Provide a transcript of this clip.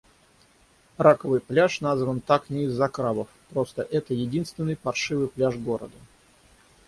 Раковый пляж назван так не из-за крабов. Просто это единственный паршивый пляж города.